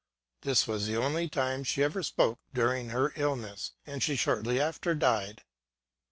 This was the only time she ever spoke during her illness, and she shortly after died.